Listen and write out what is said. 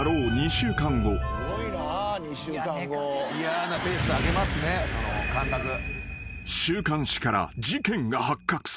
［週刊誌から事件が発覚する］